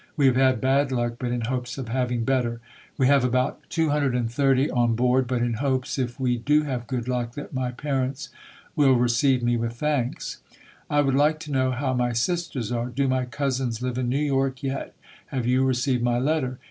We have had bad luck, but in hopes of having better. We have about 230 on board, but in hopes, if we do have good luck, that my parents will receive me with thanks. I would like to know how my sisters are. Do my cousins live in New York yet? Have you received my letter?